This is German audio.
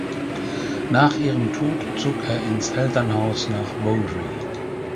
Nach ihrem Tod zog er ins Elternhaus nach Boudry.